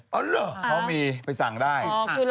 อ๋อเหรอเขามีไปสั่งได้